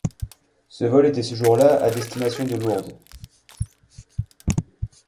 Ce vol était ce jour-là à destination de Lourdes.